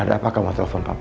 ada apa kamu telfon papa